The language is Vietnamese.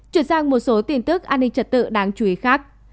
chuyển sang một số tin tức an ninh trật tự đáng chú ý khác